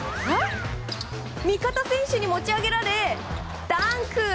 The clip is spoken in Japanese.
味方選手に持ち上げられダンク！